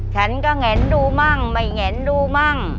ฉันก็แงนดูมั่งไม่แงนดูมั่ง